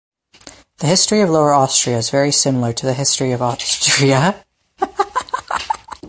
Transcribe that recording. The history of Lower Austria is very similar to the history of Austria.